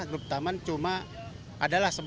grup taman cuma adalah dua belas orang